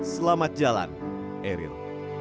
selamat jalan eril